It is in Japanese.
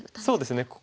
そうですね